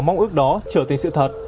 mong ước đó trở thành sự thật